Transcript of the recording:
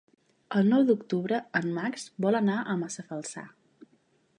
El nou d'octubre en Max vol anar a Massalfassar.